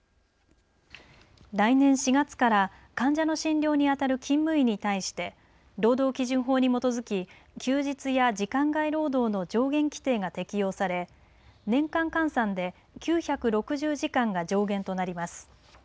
来年４月から患者の診療に当たる勤務医に対して労働基準法に基づき休日や時間外労働の上限規定が適用され年間換算で９６０時間が上限となります。